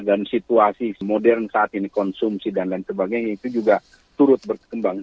dan situasi modern saat ini konsumsi dan lain sebagainya itu juga turut berkembang